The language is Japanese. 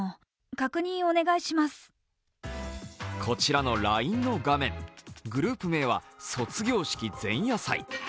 こちらのＬＩＮＥの画面、グループ名は「卒業式前夜祭」。